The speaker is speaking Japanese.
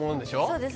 そうです